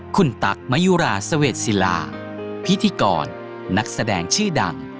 คุณตั๊กมะยุราเสวดศิลาพิธีกรนักแสดงชื่อดัง